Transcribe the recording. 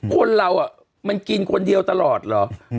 คนเรามันกินคนเดียวตลอดเหรอ